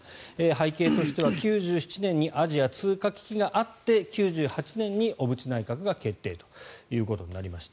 背景としては９７年にアジア通貨危機があって９８年に小渕内閣が決定となりました。